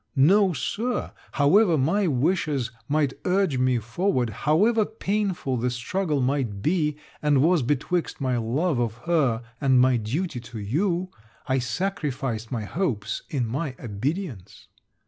No, Sir; however my wishes might urge me forward, however painful the struggle might be and was betwixt my love of her and my duty to you, I sacrificed my hopes in my obedience.